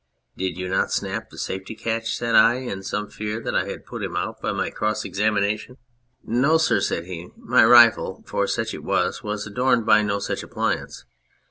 "Did you not snap the safety catch ?" said I, in some fear that I had put him out by my cross examination. 247 On Anything " No, sir," said he, "my rifle (for such it was) was adorned by no such appliance.